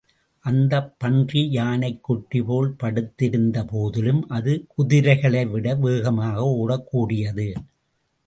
அந்தப் பன்றி யானைக் குட்டி போல் படுத்திருந்த போதிலும், அது குதிரைகளைவிட வேகமாக ஓடக் கூடியது.